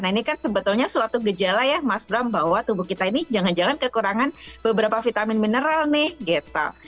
nah ini kan sebetulnya suatu gejala ya mas bram bahwa tubuh kita ini jangan jangan kekurangan beberapa vitamin mineral nih gitu